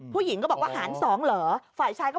การนอนไม่จำเป็นต้องมีอะไรกัน